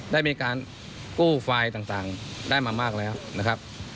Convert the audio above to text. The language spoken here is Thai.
ได้มีการกู้ไฟล์ต่างได้มามากแล้วนะครับ